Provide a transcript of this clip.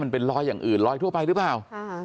มันเป็นรอยอย่างอื่นลอยทั่วไปหรือเปล่า